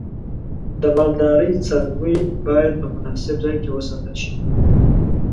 د مالدارۍ څاروی باید په مناسب ځای کې وساتل شي.